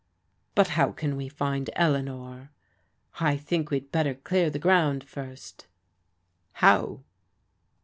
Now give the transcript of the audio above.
" But how can we find Eleanor? "" I think we'd better clear the grotmd first." "How?"